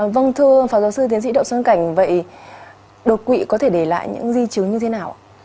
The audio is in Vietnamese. vâng thưa phạm giáo sư tiến sĩ đậu xuân cảnh vậy đột quỵ có thể để lại những di chứng như thế nào